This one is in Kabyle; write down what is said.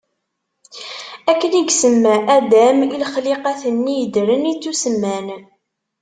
Akken i yesemma Adam i lexliqat-nni yeddren, i ttusemman.